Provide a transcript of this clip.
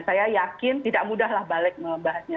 saya yakin tidak mudahlah balek membahasnya